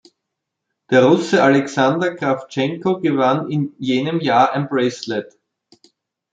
Der Russe Alexander Krawtschenko gewann in jenem Jahr ein Bracelet.